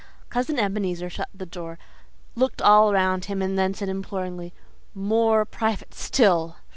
Cousin Ebenezer shut the door, looked all around him and then said imploringly, 'MORE PRIVATE STILL.